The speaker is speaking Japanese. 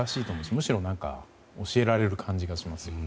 むしろ教えられる感じがします。